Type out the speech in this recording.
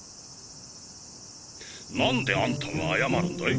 何であんたが謝るんだい？